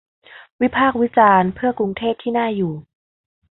วิพากษ์วิจารณ์ เพื่อกรุงเทพที่น่าอยู่